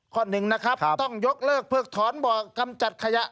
หนึ่งนะครับต้องยกเลิกเพิกถอนบอกกำจัดขยะ